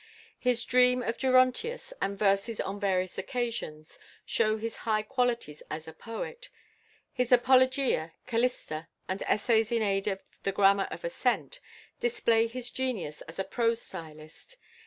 His "Dream of Gerontius" and "Verses on Various Occasions" show his high qualities as a poet; his "Apologia," "Callista," and "Essay in aid of the Grammar of Assent," display his genius as a prose stylist.